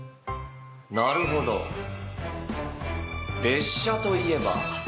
なるほど列車といえば。